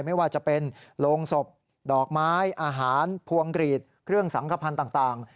ไม่ว่าจะเป็นโรงศพดอกไม้อาหารพวงกรีดเครื่องสังขพันธ์ต่าง